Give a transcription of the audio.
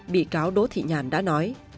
bị cáo đỗ thị nhàn đã nói